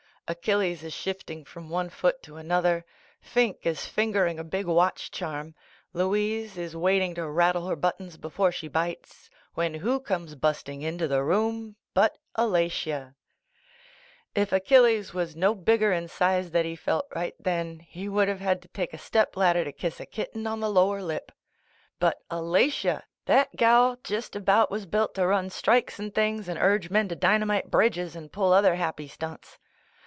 Achilles is shifting from one foot to an other, "Finke" is fingering a big watch charm, Louise is waiting to rattle her but tons before .she bites, when who comes bust ing into the room but Alatia. If Achilles was no bigger in size that he felt right then, he would have had to take a step ladder to kiss a kitten on the lower lip. DUT Alatia! That gal just about was ^ built to run strikes and things and urge men to dynamite bridges and pull other happy stunts.